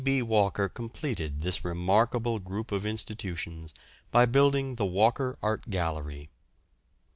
B. Walker completed this remarkable group of institutions by building the Walker Art Gallery.